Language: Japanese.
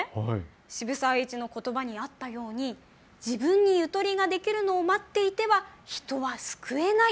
渋沢栄一のことばにあったように自分にゆとりができるのを待っていては人は救えない。